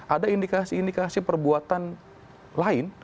ada indikasi indikasi perbuatan lain